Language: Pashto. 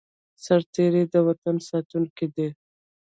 سرتیری د وطن ساتونکی دی